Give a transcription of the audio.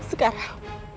aku tak mau